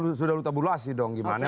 kan sudah lu tabulasi dong gimana